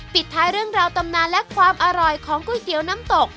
ปิดท้ายเรื่องราวตำนานและความอร่อยของก๋วยเตี๋ยวน้ำตก